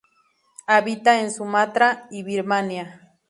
Habita en Sumatra y Birmania.